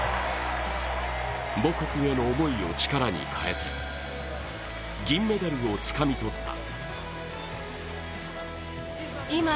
母国への思いを力に変えて銀メダルをつかみ取った。